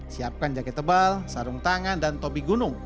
siapkan jaket tebal sarung tangan dan topi gunung